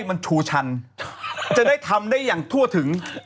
มันเป็นพิกเม้นท์สีของคนคิ้วเหลือง